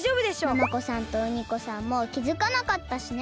ナマコさんとウニコさんもきづかなかったしね。